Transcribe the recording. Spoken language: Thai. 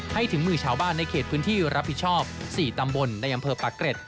ถึงมือชาวบ้านในเขตพื้นที่รับผิดชอบ๔ตำบลในอำเภอปากเกร็ด